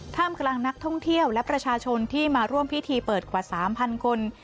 กำลังนักท่องเที่ยวและประชาชนที่มาร่วมพิธีเปิดกว่า๓๐๐คน